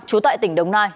chú tại tỉnh đồng nai